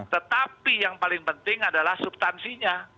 tetapi yang paling penting adalah subtansinya